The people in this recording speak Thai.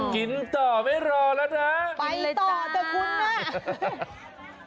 กินต่อไม่รอแล้วนะไปต่อเถอะคุณนะ